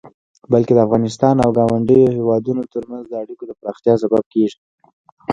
بلکې د افغانستان او ګاونډيو هيوادونو ترمنځ د اړيکو د پراختيا سبب کيږي.